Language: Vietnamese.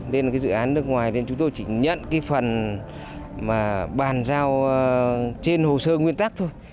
nên là cái dự án nước ngoài nên chúng tôi chỉ nhận cái phần mà bàn giao trên hồ sơ nguyên tắc thôi